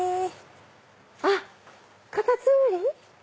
あっカタツムリ！